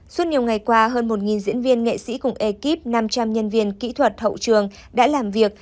suốt nhiều ngày qua hơn một diễn viên nghệ sĩ cùng ekip năm trăm linh nhân viên kỹ thuật hậu trường đã làm việc